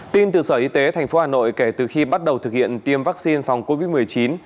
tin từ sở y tế tp hà nội kể từ khi bắt đầu thực hiện tiêm vaccine phòng covid một mươi chín